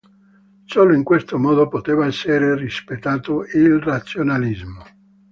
Solo in questo modo poteva essere rispettato il razionalismo.